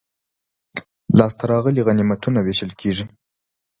لاسته راغلي غنیمتونه وېشل کیږي.